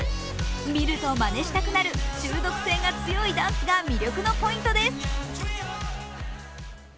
見るとまねしたくなる中毒性が強いダンスが魅力のポイントです。